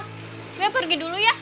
gue pergi dulu ya